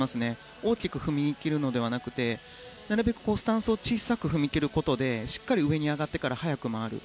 大きく踏み切るのではなくてなるべくスタンスを小さく踏み切ることでしっかり上に上がってから速く回る。